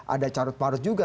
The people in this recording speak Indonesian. ada carut parut juga